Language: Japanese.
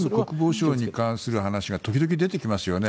ショイグ国防相に関する話が時々出てきますよね。